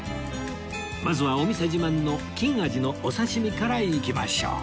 まずはお店自慢の金アジのお刺し身からいきましょう